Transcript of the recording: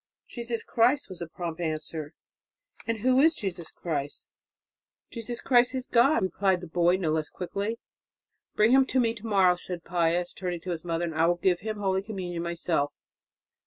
"Jesus Christ," was the prompt answer. "And who is Jesus Christ?" "Jesus Christ is God," replied the boy, no less quickly. "Bring him to me to morrow," said Pius, turning to the mother, "and I will give him holy communion myself."